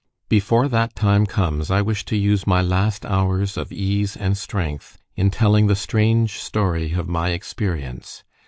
. Before that time comes, I wish to use my last hours of ease and strength in telling the strange story of my experience.